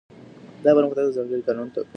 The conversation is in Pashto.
دا پرمختګ د ځانګړي قانون پیروي کوي.